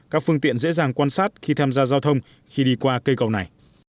các phương tiện dễ dàng quan sát khi tham gia giao thông khi đi qua cây cầu này